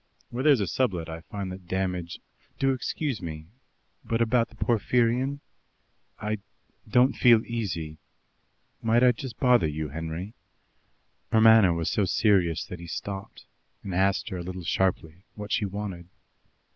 "When there is a sublet I find that damage " "Do excuse me, but about the Porphyrion. I don't feel easy might I just bother you, Henry?" Her manner was so serious that he stopped, and asked her a little sharply what she wanted.